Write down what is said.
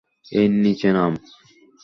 এই, নিচে নাম।